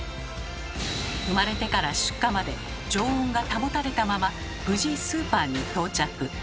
産まれてから出荷まで常温が保たれたまま無事スーパーに到着。